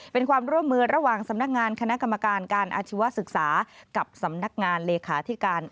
เป็นความร่วมมือระหว่างสำนักงานคณะกรรมการการอาชีวศึกษากับสำนักงานเลขาธิการ